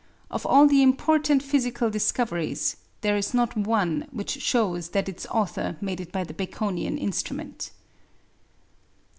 Of all the important physical discoveries, there is not one which shows that its author made it by the Baconian instrument.